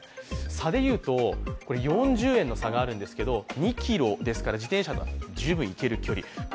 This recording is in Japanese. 差で言うと４０円の差があるんですけど、２ｋｍですから、自転車で十分行ける距離。